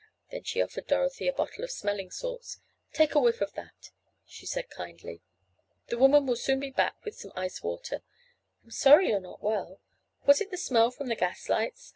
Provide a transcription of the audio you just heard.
Then she offered Dorothy a bottle of smelling salts. "Take a whiff of that," she said kindly. "The woman will be back soon with some ice water. I'm sorry you're not well. Was it the smell from the gas lights?